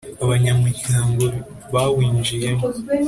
Abanyamuryango bawinjiyemo